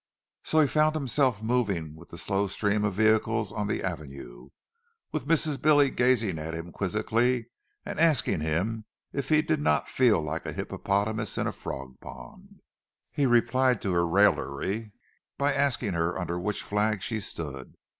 So he found himself moving with the slow stream of vehicles on the Avenue, and with Mrs. Billy gazing at him quizzically and asking him if he did not feel like a hippopotamus in a frog pond. He replied to her raillery by asking her under which flag she stood.